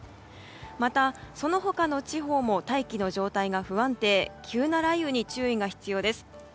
また、その他の地方も大気の状態が不安定で急な雷雨に注意が必要です。